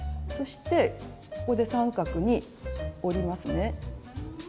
そしてここで三角に折りますね。